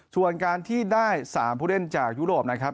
ส่วนการที่ได้๓ผู้เล่นจากยุโรปนะครับ